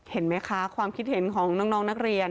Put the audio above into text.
เห็นไหมคะความคิดเห็นของน้องนักเรียน